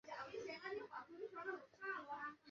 滇南草乌为毛茛科乌头属下的一个种。